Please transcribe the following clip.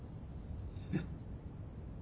えっ。